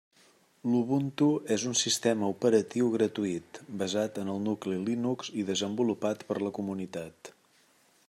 L'Ubuntu és un sistema operatiu gratuït, basat en el nucli Linux i desenvolupat per la comunitat.